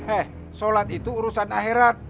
eh sholat itu urusan akhirat